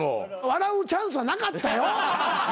笑うチャンスはなかったよ。